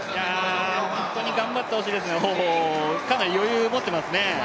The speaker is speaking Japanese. ホントに頑張ってほしいですねかなり余裕持っていますね。